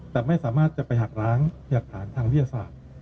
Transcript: แต่ไม่สามารถจะไปหักล้างหลักฐานทางวิทยาศาสตร์